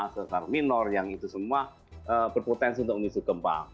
sesar minor yang itu semua berpotensi untuk mengisi gempa